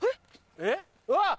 えっ！